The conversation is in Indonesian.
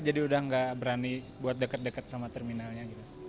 jadi udah gak berani buat deket deket sama terminalnya